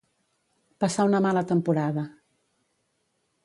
Passar una mala temporada.